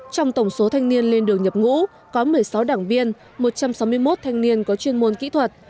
trong tổng số thanh niên lên đường nhập ngũ có một mươi sáu đảng viên một trăm sáu mươi một thanh niên có chuyên môn kỹ thuật